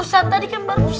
ustad tadi kan baru